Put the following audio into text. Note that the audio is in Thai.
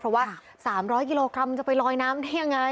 เพราะว่า๓๐๐กิโลกรัมจะไปลอยน้ำได้ยังไง